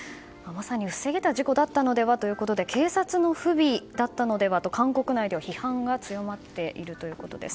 まさに防げた事故だったのではということで警察の不備だったのではと韓国内では批判が強まっているということです。